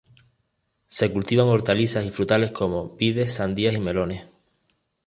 Se cultivan hortalizas y frutales como: vides, sandías y melones.